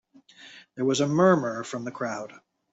There was a murmur from the crowd.